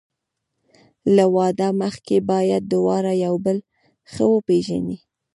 له واده مخکې باید دواړه یو بل ښه وپېژني.